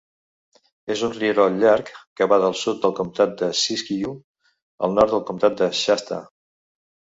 És un rierol llarg que va del sud del comptat de Siskiyou al nord del comptat de Shasta.